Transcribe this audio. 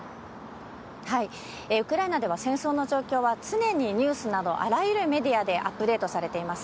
ウクライナでは戦争の状況は常にニュースなどあらゆるメディアでアップデートされています。